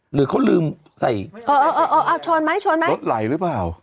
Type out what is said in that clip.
หรือเขาลืมใส่เออเออเอาชนไหมชนไหมรถไหลหรือเปล่า